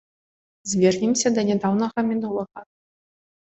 Звернемся да нядаўняга мінулага.